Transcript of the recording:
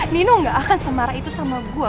nino gak akan semarah itu sama gue